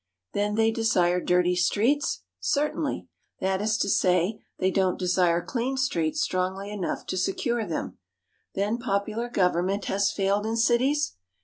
Then they desire dirty streets? Certainly. That is to say, they don't desire clean streets strongly enough to secure them. Then popular government has failed in cities?